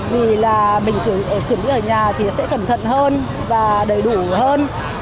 vì là mình chuẩn bị ở nhà thì sẽ cẩn thận hơn và đầy đủ hơn